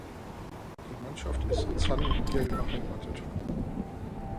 Die Mannschaft ist in San Miguel beheimatet.